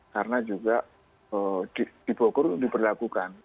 karena juga di bogor diperlakukan